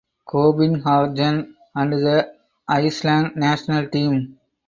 Copenhagen and the Iceland national team.